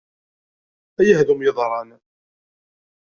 Ay ahdum yeḍran!